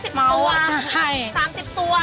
ใช่หรือแยวอออุ๊ยไม่ได้กินแล้วนะ